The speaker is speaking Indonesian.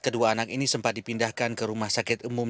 kedua anak ini sempat dipindahkan ke rumah sakit umum